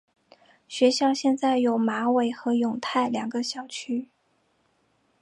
学院现有马尾和永泰两个校区。